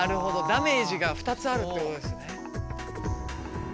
ダメージが２つあるってことですね。